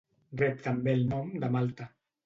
Rep també el nom de malta.